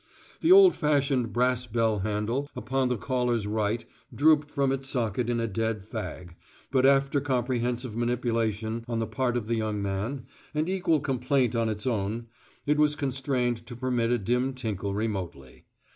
The old fashioned brass bell handle upon the caller's right drooped from its socket in a dead fag, but after comprehensive manipulation on the part of the young man, and equal complaint on its own, it was constrained to permit a dim tinkle remotely.